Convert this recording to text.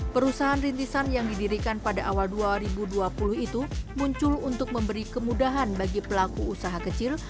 perusahaan rintisan yang didirikan pada awal dua ribu dua puluh itu muncul untuk memberi kemudahan bagi pelaku usaha kecil